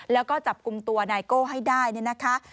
แล้วก็จับกลุ่มตัวนายโก้ให้ได้เนี่ยนะคะ